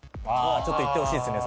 ちょっといってほしいですよね